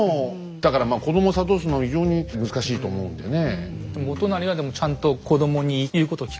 だからまあ子どもを諭すの非常に難しいと思うんでね。